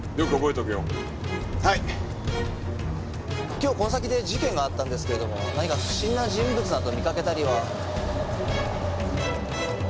今日この先で事件があったんですけれども何か不審な人物など見かけたりは。